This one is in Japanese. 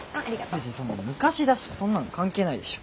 別にそんな昔だしそんなの関係ないでしょ。